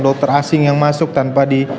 dokter asing yang masuk tanpa di